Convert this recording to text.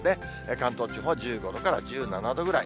関東地方は１５度から１７度ぐらい。